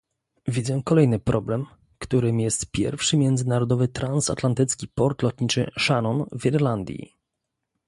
Widzę kolejny problem, którym jest pierwszy międzynarodowy transatlantycki port lotniczy Shannon w Irlandii